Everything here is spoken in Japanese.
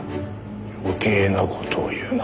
余計な事を言うな。